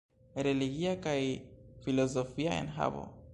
Religia kaj filozofia enhavo.